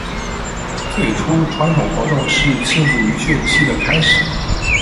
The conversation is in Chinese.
最初，传统活动是庆祝渔汛期的开始。